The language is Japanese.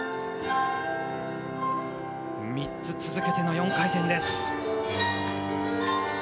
３つ続けての４回転です。